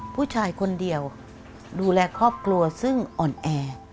ผู้ชายคนเดียวดูแลครอบครัวซึ่งอ่อนแอ